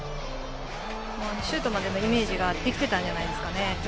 シュートまでのイメージができていたんじゃないですかね。